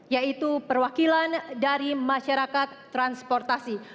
yaitu perwakilan dari masyarakat transportasi